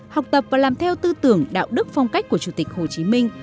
học tập và làm theo tư tưởng đạo đức phong cách của chủ tịch hồ chí minh